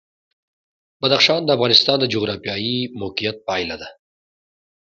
بدخشان د افغانستان د جغرافیایي موقیعت پایله ده.